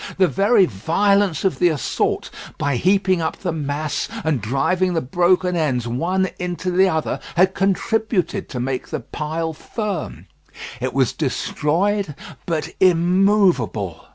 The very violence of the assault, by heaping up the mass and driving the broken ends one into the other, had contributed to make the pile firm. It was destroyed, but immovable.